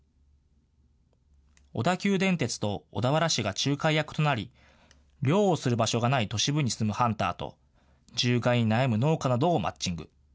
小田急電鉄と小田原市が仲介役となり、猟をする場所がない都市部に住むハンターと、獣害に悩む農家などをマッチング。